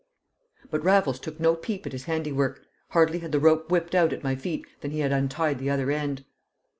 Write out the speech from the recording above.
But Raffles took no peep at his handiwork; hardly had the rope whipped out at my feet than he had untied the other end.